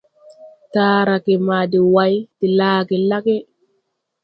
Taarage maa de way de laage lage.